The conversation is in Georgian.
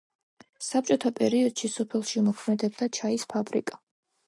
საბჭოთა პერიოდში სოფელში მოქმედებდა ჩაის ფაბრიკა.